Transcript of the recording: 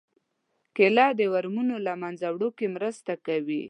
کېله د ورمونو له منځه وړو کې مرسته کوي.